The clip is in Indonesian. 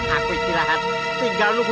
aku silahkan tinggal lu